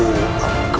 aku tak mau pergi